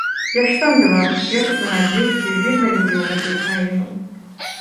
Я ж сам беларус, я тут нарадзіўся і вельмі люблю гэтую краіну.